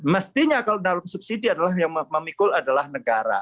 mestinya kalau dalam subsidi adalah yang memikul adalah negara